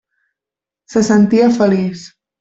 Se sentia feliç.